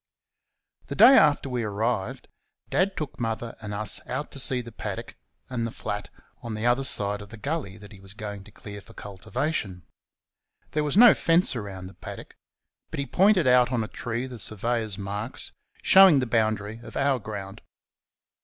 The day after we arrived Dad took Mother and us out to see the paddock and the flat on the other side of the gully that he was going to clear for cultivation. There was no fence round the paddock, but he pointed out on a tree the surveyor's marks, showing the boundary of our ground.